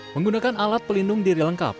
menggunakan alat pelindung diri lengkap